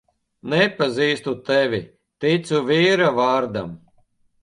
Nepazīstu tevi, ticu vīra vārdam.